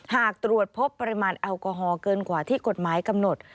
หากตรวจพบปริมาณแอลกอฮอลเกินกว่าที่กฎหมายกำหนด